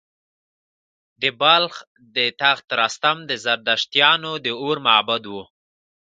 د بلخ د تخت رستم د زردشتیانو د اور معبد و